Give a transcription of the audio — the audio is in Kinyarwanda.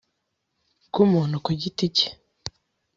Bw umuntu ku giti cye